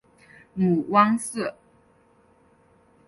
母汪氏。